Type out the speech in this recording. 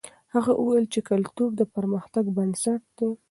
هغه وویل چې کلتور د پرمختګ بنسټ دی.